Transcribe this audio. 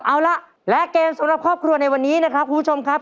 เอาล่ะและเกมสำหรับครอบครัวในวันนี้นะครับคุณผู้ชมครับ